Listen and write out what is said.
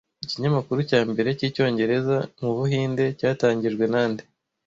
Ikinyamakuru cya mbere cyicyongereza mubuhinde cyatangijwe nande